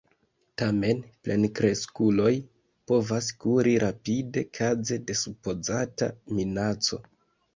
Tamen plenkreskuloj povas kuri rapide kaze de supozata minaco.